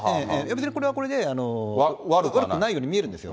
これはこれで、悪くはないように見えるんですよ。